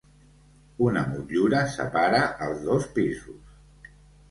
Una motllura separa els dos pisos.